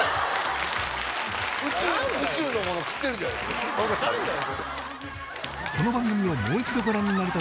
宇宙のもの食ってるじゃない。